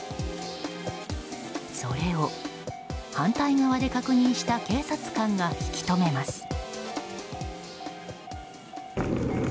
それを反対側で確認した警察官が引き止めます。